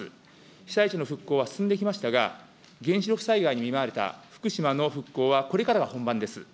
被災地の復興を進んできましたが、原子力災害に見舞われた福島の復興はこれからが本番です。